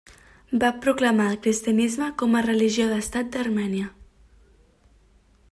Va proclamar el cristianisme com a religió d'estat d'Armènia.